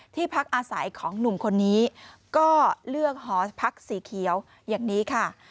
พักอาศัยของหนุ่มคนนี้ก็เลือกหอพักสีเขียวอย่างนี้ค่ะ